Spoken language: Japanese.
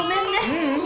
ううん。